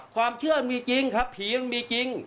ความเชื่อมีจริงครับผีมันมีจริง